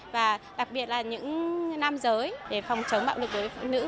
và đặc biệt là những nam giới để phòng chống bạo lực với phụ nữ